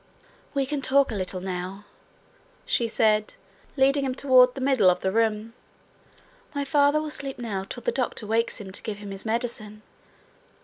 'We can talk a little now,' she said, leading him toward the middle of the room. 'My father will sleep now till the doctor wakes him to give him his medicine.